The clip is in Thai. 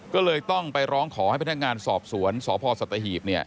ก็เลยต้องไปร้องขอให้พนักงานสอบสวนสพสัตหีบ